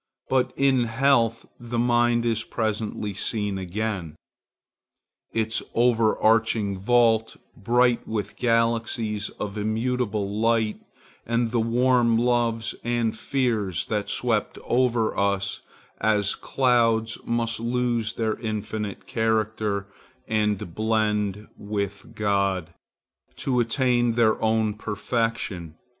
But in health the mind is presently seen again,—its overarching vault, bright with galaxies of immutable lights, and the warm loves and fears that swept over us as clouds must lose their finite character and blend with God, to attain their own perfection.